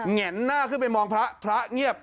แนนหน้าขึ้นไปมองพระพระเงียบ